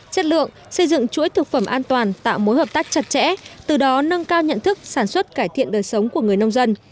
chất lượng xây dựng chuỗi thực phẩm an toàn tạo mối hợp tác chặt chẽ từ đó nâng cao nhận thức sản xuất cải thiện đời sống của người nông dân